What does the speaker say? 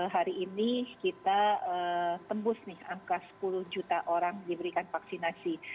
hari ini kita tembus nih angka sepuluh juta orang diberikan vaksinasi